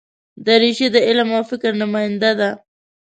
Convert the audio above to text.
دریشي د علم او فکر نماینده ده.